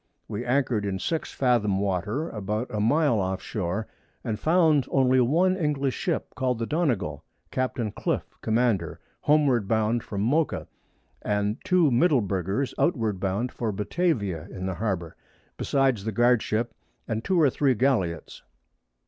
We anchor'd in 6 Fathom Water, about a Mile off Shoar, and found only one English Ship, call'd the Donegal, Capt. Cliff Commander, homeward bound from Mocha, and 2 Middleburgers outward bound for Batavia in the Harbour, besides the Guard Ship, and 2 or 3 Galliots.